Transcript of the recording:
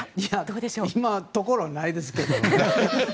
今のところないですけど。